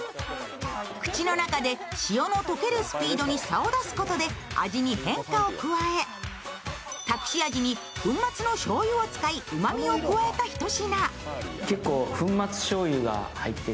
口の中で塩の溶けるスピードに差を出すことで味に変化を加え隠し味に粉末のしょうゆを使い、うまみを加えた一品。